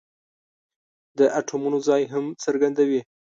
د اتومونو ځای هم څرګندوي.